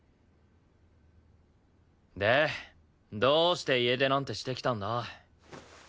でどうして家出なんてしてきたんだ？